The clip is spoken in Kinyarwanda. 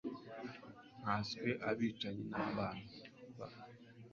nkanswe abicanyi b'abana